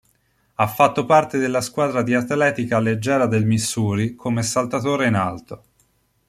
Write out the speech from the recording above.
Ha fatto parte della squadra di atletica leggera del Missouri come saltatore in alto.